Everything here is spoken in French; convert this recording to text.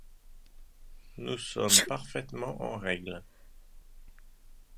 Nous sommes parfaitement en règle.